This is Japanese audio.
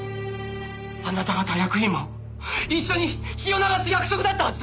あなた方役員も一緒に血を流す約束だったはずだ！